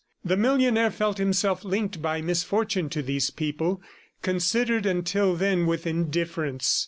The millionaire felt himself linked by misfortune to these people, considered until then with indifference.